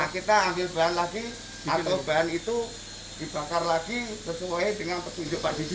kita ambil bahan lagi atau bahan itu dibakar lagi sesuai dengan petunjuk pak didi